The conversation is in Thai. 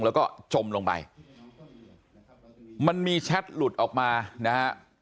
แล้วก็จมลงไปมันมีแชทหลุดออกมานะฮะ